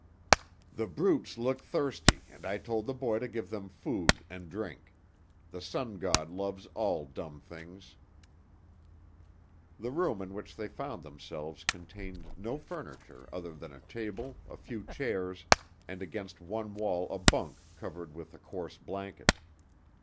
"The brutes look thirsty and I told the boy to give them food and drink. The Sun God loves all dumb things." The room in which they found themselves contained no furniture other than a table, a few chairs, and against one wall a bunk covered with a coarse blanket.